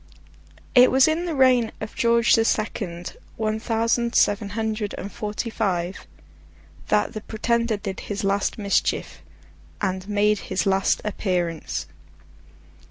It was in the reign of George the Second, one thousand seven hundred and forty five, that the Pretender did his last mischief, and made his last appearance.